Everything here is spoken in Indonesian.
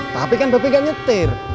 tapi kan bebe gak nyetir